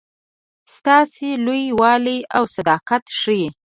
ستاسي لوی والی او صداقت ښيي.